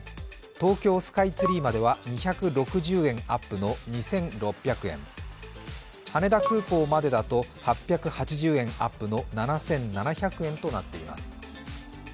東京スカイツリーまでは２６０円アップの２６００円羽田空港までだと８８０円アップの７７００円となっています。